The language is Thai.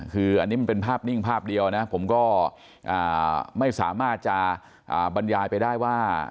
คืออันนี้มันเป็นภาพนิ่งภาพเดียวนะผมก็ไม่สามารถจะบรรยายไปได้ว่า